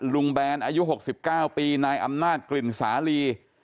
ลุงแบรนด์อายุหกสิบเก้าปีนายอำนาจกลิ่นสาลี